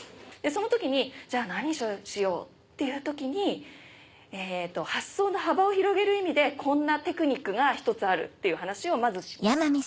その時に「じゃあ何しよう？」っていう時に発想の幅を広げる意味でこんなテクニックが１つあるっていう話をまずします。